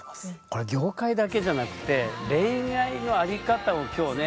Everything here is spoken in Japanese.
これ業界だけじゃなくて恋愛の在り方を今日ね